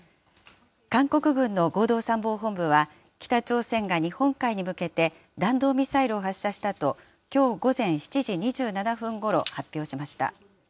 韓国軍の合同参謀本部は北朝鮮が日本海に向けて弾道ミサイルを発射したと、きょう午前７時２７分ごろ発表しました。